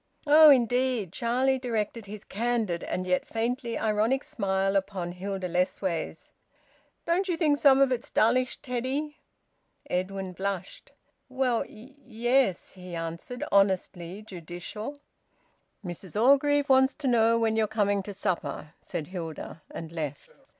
"Oh! Indeed!" Charlie directed his candid and yet faintly ironic smile upon Hilda Lessways. "Don't you think that some of it's dullish, Teddy?" Edwin blushed. "Well, ye es," he answered, honestly judicial. "Mrs Orgreave wants to know when you're coming to supper," said Hilda, and left.